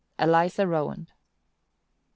"ELIZA ROWAND.